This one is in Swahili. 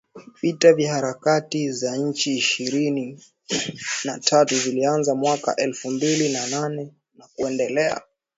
Vita vya Harakati za Machi ishirini na tatu vilianza mwaka elfu mbili na nane na kuendelea.